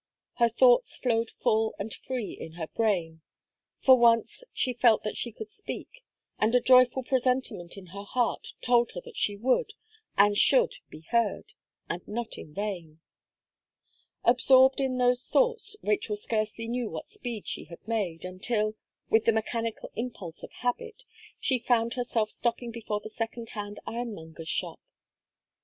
Her thoughts flowed full and free in her brain; for once, she felt that she could speak; and a joyful presentiment in her heart told her that she would, and should be heard and not in vain. Absorbed in those thoughts, Rachel scarcely knew what speed she had made, until, with the mechanical impulse of habit, she found herself stopping before the second hand ironmonger's shop.